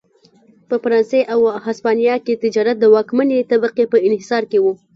په فرانسې او هسپانیا کې تجارت د واکمنې طبقې په انحصار کې و.